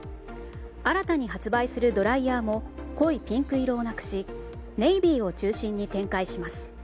新たに発売するドライヤーも濃いピンク色をなくしネイビーを中心に展開します。